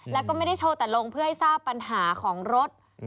แล้วก็ไม่ได้โชว์แต่ลงเพื่อให้ทราบปัญหาของรถ